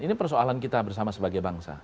ini persoalan kita bersama sebagai bangsa